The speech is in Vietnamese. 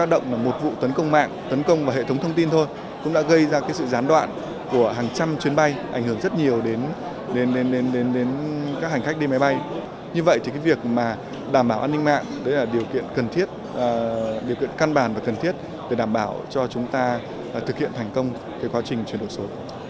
đảm bảo an ninh mạng đấy là điều kiện cần thiết điều kiện căn bản và cần thiết để đảm bảo cho chúng ta thực hiện thành công cái quá trình chuyển đổi số